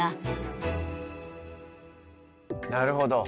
なるほど。